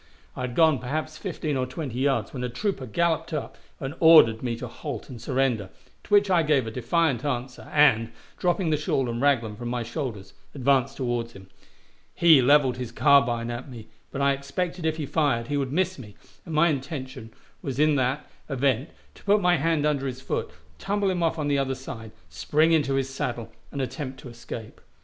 I had gone perhaps fifteen or twenty yards when a trooper galloped up and ordered me to halt and surrender, to which I gave a defiant answer, and, dropping the shawl and raglan from my shoulders, advanced toward him; he leveled his carbine at me, but I expected, if he fired, he would miss me, and my intention was in that event to put my hand under his foot, tumble him off on the other side, spring into his saddle, and attempt to escape.